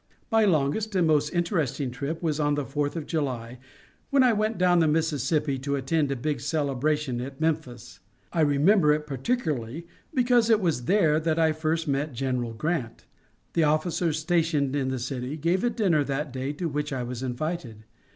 My longest and most interesting trip was on the Fourth of July, when I went down the Mississippi to attend a big celebration at Memphis. I remember it particularly because it was there that I first met General Grant. The officers stationed in the city gave a dinner that day, to which I was invited.